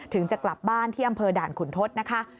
ถึงจะกลับบ้านที่อำเภอด่านขุนทศนะคะ